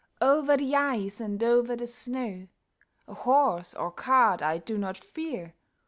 Over the ice, and over the snow; A horse or cart I do not fear.